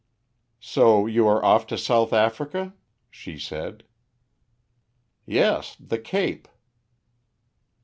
"So you are off to South Africa?" she said. "Yes, the Cape."